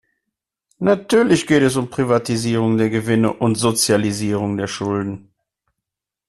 Natürlich geht es um Privatisierung der Gewinne und Sozialisierung der Schulden.